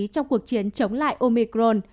trong cuộc chiến chống lại omicron